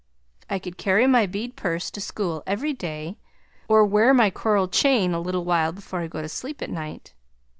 I could carry my bead purse to school every day, or wear my coral chain a little while before I go to sleep at night.